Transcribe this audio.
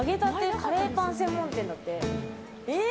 カレーパン専門店だって。